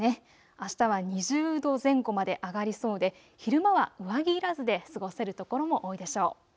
あしたは２０度前後まで上がりそうで昼間は上着いらずで過ごせる所も多いでしょう。